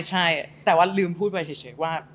ใช่แต่ว่าลืมพูดไปเฉยว่า